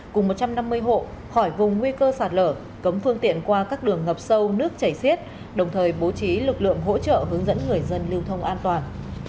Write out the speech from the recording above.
cùng một trăm năm mươi hộ khỏi vùng nguy cơ sạt lở cấm phương tiện qua các đường ngập sâu nước chảy xiết đồng thời bố trí lực lượng hỗ trợ hướng dẫn người dân lưu thông an toàn